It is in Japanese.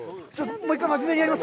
もう１回、真面目にやります。